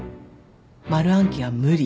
丸暗記は無理。